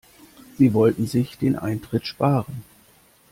Sie wollten sich den Eintritt sparen.